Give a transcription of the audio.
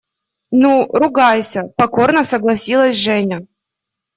– Ну, ругайся, – покорно согласилась Женя.